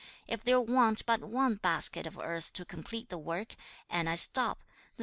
If there want but one basket of earth to complete the work, and I stop, the 覆一簣/進/吾往也.